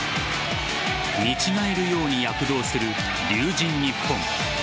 見違えるように躍動する龍神ＮＩＰＰＯＮ。